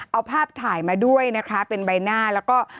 เอาภาพถ่ายมาด้วยนะคะ